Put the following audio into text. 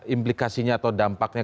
implikasinya atau dampaknya